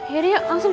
yaudah yuk langsung